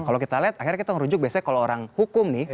kalau kita lihat akhirnya kita ngerujuk biasanya kalau orang hukum nih